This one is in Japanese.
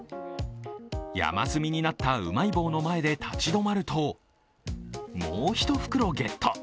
山積みになったうまい棒の前で立ち止まるともう一袋ゲット。